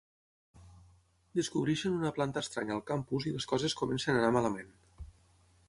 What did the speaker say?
Descobreixen una planta estranya al campus i les coses comencen a anar malament.